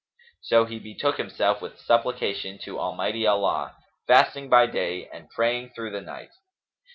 So he betook himself with supplication to Almighty Allah, fasting by day and praying through the night.